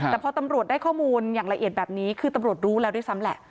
แต่พอตำรวจได้ข้อมูลอย่างละเอียดแบบนี้คือตำรวจรู้แล้วด้วยซ้ำแหละ